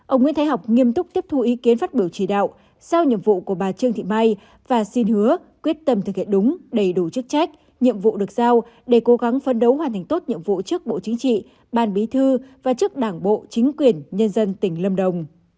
ông nguyễn thái học nghiêm túc tiếp thu ý kiến phát biểu chỉ đạo sao nhiệm vụ của bà trương thị mai và xin hứa quyết tâm thực hiện đúng đầy đủ chức trách nhiệm vụ được giao để cố gắng phân đấu hoàn thành tốt nhiệm vụ trước bộ chính trị ban bí thư và trước đảng bộ chính quyền nhân dân tỉnh lâm đồng